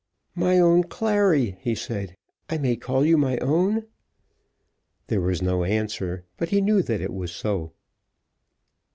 "My own Clary," he said. "I may call you my own?" There was no answer, but he knew that it was so.